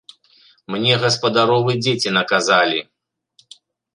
Мне гаспадаровы дзеці наказалі.